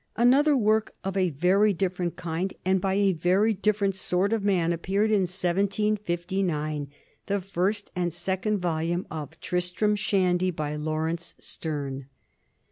Another work of a very different kind and by a very different sort of man appeared in 1759 — ^the first and second volume of ^'Tris tram Shandy," by Laurence Sterne.